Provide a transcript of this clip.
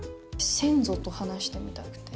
先祖と話してみたくて。